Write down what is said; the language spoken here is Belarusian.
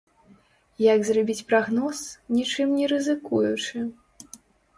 Як зрабіць прагноз, нічым не рызыкуючы?